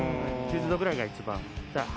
９０℃ぐらいが一番。